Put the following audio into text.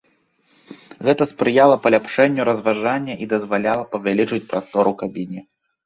Гэта спрыяла паляпшэнню разважвання і дазваляла павялічыць прастор у кабіне.